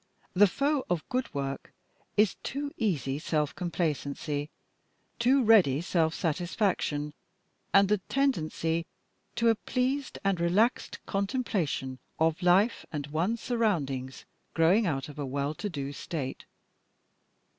The foe of good work is too easy self complacency, too ready self satisfaction, and the tendency to a pleased and relaxed contemplation of life and one's surroundings, growing out of a well to do state.